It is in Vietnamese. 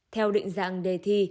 theo định dạng đề thi